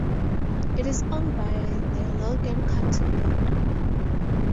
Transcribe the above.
It is owned by the Logan County Board.